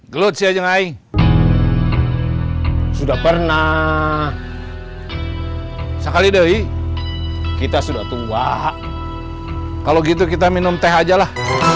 gluts ya jengai sudah pernah sekali deh kita sudah tua kalau gitu kita minum teh ajalah